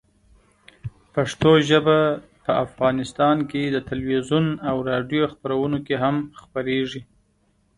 پښتو ژبه په افغانستان کې د تلویزیون او راډیو خپرونو کې هم خپرېږي.